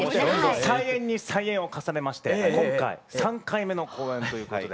再演に再演を重ねまして今回３回目の公演ということで。